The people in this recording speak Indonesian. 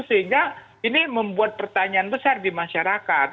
sehingga ini membuat pertanyaan besar di masyarakat